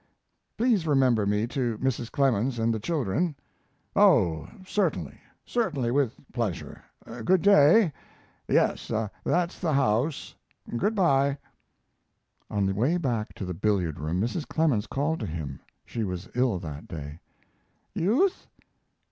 "Please remember me to Mrs. Clemens and the children." "Oh, certainly, certainly, with pleasure. Good day. Yes, that's the house Good by." On the way back to the billiard room Mrs. Clemens called to him. She was ill that day. "Youth!"